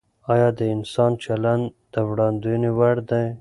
آیا د انسان چلند د وړاندوینې وړ دی؟